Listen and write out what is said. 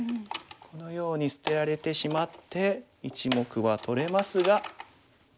このように捨てられてしまって１目は取れますが。